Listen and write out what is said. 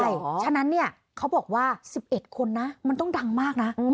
เพราะฉะนั้นเนี่ยเขาบอกว่า๑๑คนนะมันต้องดังมากนะ